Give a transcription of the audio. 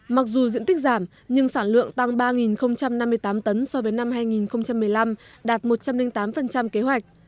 mặc dù diện tích giảm nhưng sản lượng tăng ba năm mươi tám tấn so với năm hai nghìn một mươi năm đạt một trăm linh tám kế hoạch